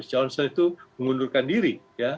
jadi itu mengundurkan diri